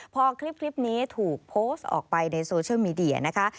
พอคลิปนี้ถูกโพสต์ออกไปในโซเชียลมีเดียนะคะ